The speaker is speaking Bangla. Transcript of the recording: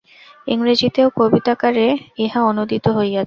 ইংরেজীতেও কবিতাকারে ইহা অনূদিত হইয়াছে।